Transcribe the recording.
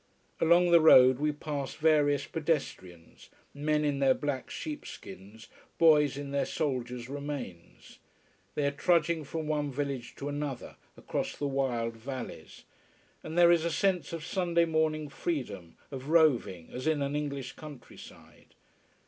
Along the road we pass various pedestrians, men in their black sheepskins, boys in their soldiers' remains. They are trudging from one village to another, across the wild valleys. And there is a sense of Sunday morning freedom, of roving, as in an English countryside.